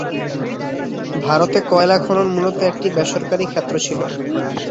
ভারতে কয়লা খনন মূলত একটি বেসরকারী ক্ষেত্র ছিল।